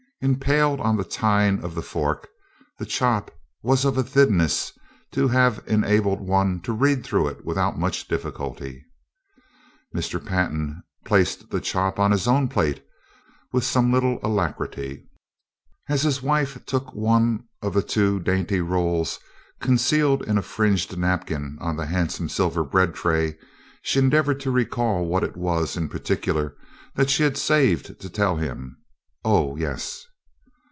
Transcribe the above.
Impaled on a tine of the fork, the chop was of a thinness to have enabled one to read through it without much difficulty. Mr. Pantin placed the chop on his own plate with some little alacrity. As his wife took one of the two dainty rolls concealed in a fringed napkin on the handsome silver bread tray, she endeavored to recall what it was in particular that she had saved to tell him. Oh, yes!